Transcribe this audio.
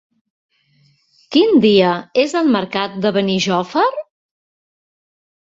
Quin dia és el mercat de Benijòfar?